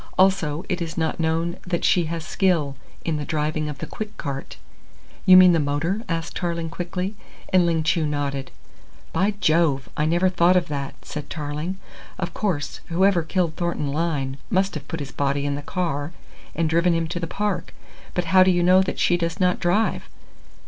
"Also it is not known that she has skill in the driving of the quick cart." "You mean the motor?" asked Tarling quickly, and Ling Chu nodded. "By Jove! I never thought of that," said Tarling. "Of course, whoever killed Thornton Lyne must have put his body in the car and driven him to the Park. But how do you know that she does not drive?"